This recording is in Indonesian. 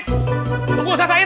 tunggu ustaz syahid